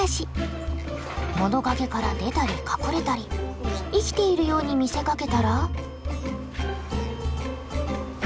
物陰から出たり隠れたり生きているように見せかけたら。